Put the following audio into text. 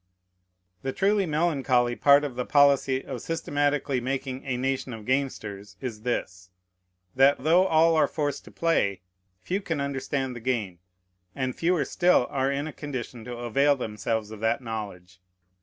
The truly melancholy part of the policy of systematically making a nation of gamesters is this, that, though all are forced to play, few can understand the game, and fewer still are in a condition to avail themselves of that knowledge.